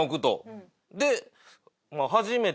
で。